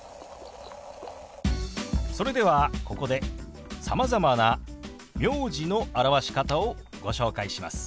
それではここでさまざまな名字の表し方をご紹介します。